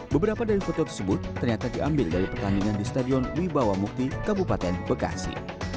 beberapa dari foto tersebut ternyata diambil dari pertandingan di stadion wibawa mukti kabupaten bekasi